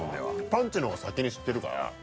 パンチの方が先に知ってるから。